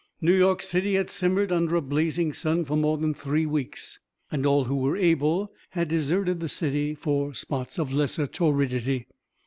New York City had simmered under a blazing sun for more than three weeks, and all who were able had deserted the city for spots of lesser torridity.